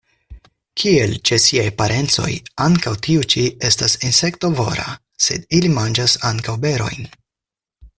Kiel ĉe siaj parencoj, ankaŭ tiu ĉi estas insektovora, sed ili manĝas ankaŭ berojn.